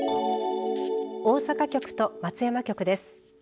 大阪局と松山局です。